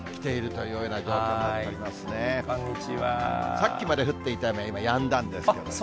さっきまで降っていた雨、今やんだんですけど。